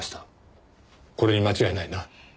これに間違いないな？